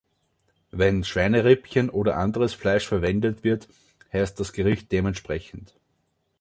Wenn Schweinerippchen oder anderes Fleisch verwendet wird, heißt das Gericht dementsprechend.